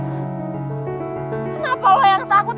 kenapa lo yang takut